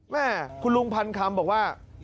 แม่คุณลุงพันคำบอกว่า